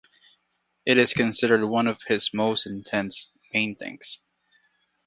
It is considered one of his most intense paintings.